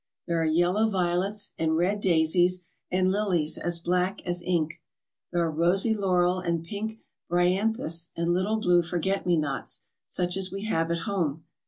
There are yellow violets and red daisies and lilies as black as ink. There are rosy laurel and pink bryanthus and little blue forget me nots such as we have at home.